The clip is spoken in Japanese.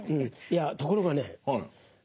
いやところがね